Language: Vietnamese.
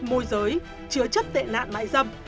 môi giới chứa chất tệ nạn mại dâm